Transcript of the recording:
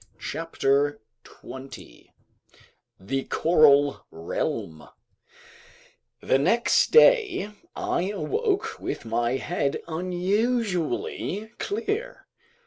CHAPTER 24 The Coral Realm THE NEXT DAY I woke up with my head unusually clear.